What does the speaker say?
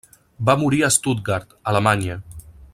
Va morir a Stuttgart, Alemanya.